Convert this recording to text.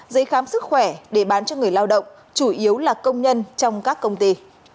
giấy khám sức khỏe để bán cho người lao động chủ yếu là công nhân trong các công ty